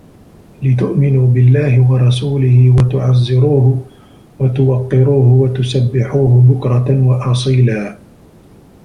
لِتُؤمِنوا بِاللَّهِ وَرَسولِهِ وَتُعَزِّروهُ وَتُوَقِّروهُ وَتُسَبِّحوهُ بُكرَةً وَأَصيلًا